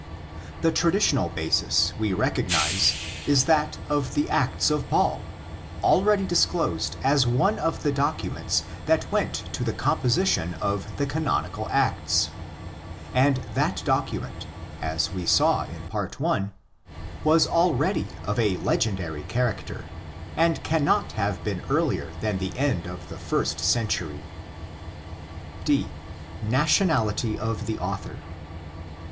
The traditional basis we recognise is that of the Acts of Paul, already disclosed as one of the documents that went to the composition of the canonicalActs. And that document, as we saw in Part I., was already of a legendary character, and cannot have been earlier than the end of the first century. D.—Natwonality of the Author.